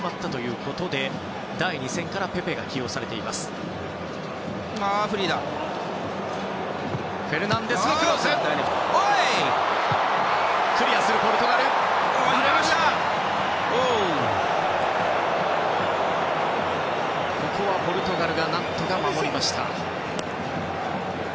ここはポルトガルが何とか守りました。